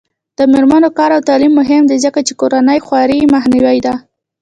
د میرمنو کار او تعلیم مهم دی ځکه چې کورنۍ خوارۍ مخنیوی دی.